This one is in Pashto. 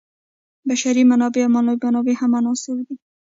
بشري منابع او مالي منابع هم عناصر دي.